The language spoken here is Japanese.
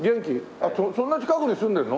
あっそんな近くに住んでるの？